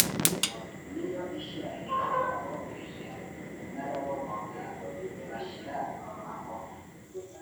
ni yo ishyira hejuru aboroheje, n’ababoroga ibashyira mu mahoro